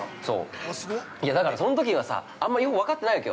◆だから、そのときはさあんまりよく分かってないわけよ。